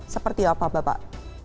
seperti apa bapak